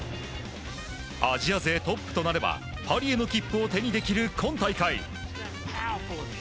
アジア勢トップとなればパリへの切符を手にできる今大会。